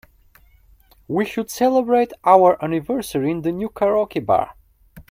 We should celebrate our anniversary in the new karaoke bar.